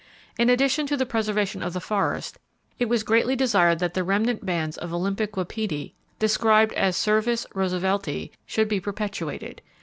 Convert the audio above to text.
In addition to the preservation of the forests, it was greatly desired that the remnant bands of Olympic wapiti (described as Cervus roosevelti) should be perpetuated.